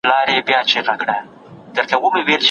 پناه ورکول د انسانیت ښکلا ده.